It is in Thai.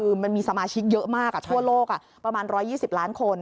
คือมันมีสมาชิกเยอะมากทั่วโลกประมาณ๑๒๐ล้านคน